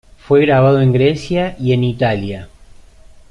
Fue grabado en Grecia y en Italia.